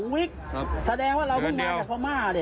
๒วิทย์แสดงว่าเราทำงานจากพม่า